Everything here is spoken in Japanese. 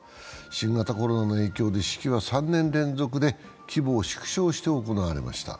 新型コロナの影響で式は３年連続で規模を縮小して行われました。